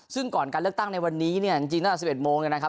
ซึ่งก่อนการเลือกตั้งในวันนี้เนี่ยจริงตั้งแต่๑๑โมงเนี่ยนะครับ